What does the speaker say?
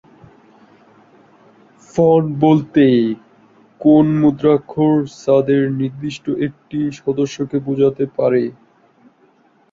Font বলতে কোন মুদ্রাক্ষর-ছাঁদের নির্দিষ্ট একটি সদস্যকে বোঝাতে পারে।